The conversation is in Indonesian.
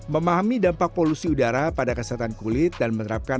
memahami dampak polusi udara pada kesehatan kulit dan menerapkan